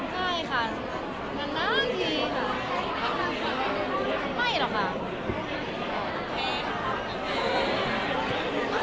ไม่หรอกค่ะ